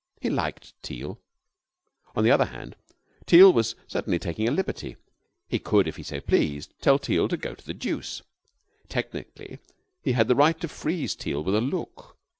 He liked Teal. On the other hand, Teal was certainly taking a liberty. He could, if he so pleased, tell Teal to go to the deuce. Technically, he had the right to freeze Teal with a look.